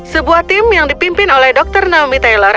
sebuah tim yang dipimpin oleh dr naomi taylor